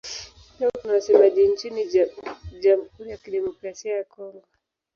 Pia kuna wasemaji nchini Jamhuri ya Kidemokrasia ya Kongo.